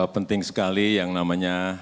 penting sekali yang namanya